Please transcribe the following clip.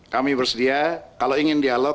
kami bersedia kalau ingin dialog